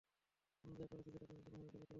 আমি যা করেছি, সেটা তুমি কোনভাবেই লুকাতে পারবে না।